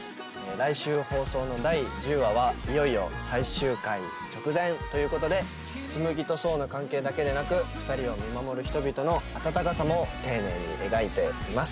来週放送の第１０話はいよいよ最終回直前という事で紬と想の関係だけでなく２人を見守る人々の温かさも丁寧に描いています。